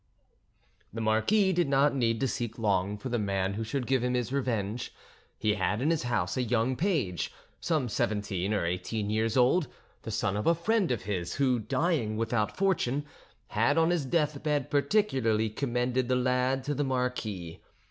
The marquis did not need to seek long for the man who should give him his revenge: he had in his house a young page, some seventeen or eighteen years old, the son of a friend of his, who, dying without fortune, had on his deathbed particularly commended the lad to the marquis.